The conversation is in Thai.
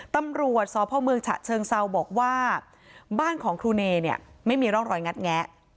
ตำรวจสพเมืองฉะเชิงเซาบอกว่าบ้านของครูเนเนี่ยไม่มีร่องรอยงัดแงะ